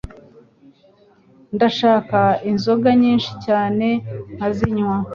Ndashaka inzoga nyinshi cyane nkazinywa.